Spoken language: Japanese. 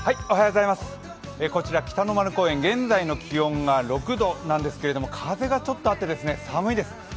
こちら北の丸公園、現在の気温が６度なんですけど風がちょっとあって寒いです。